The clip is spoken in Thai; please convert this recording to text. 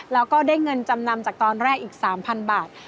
แล้วก็ได้เงินจำนำจากตอนแรกอีก๓๐๐บาท